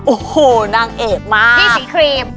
โอ้โฮนางเอกมากนี่สีเขียม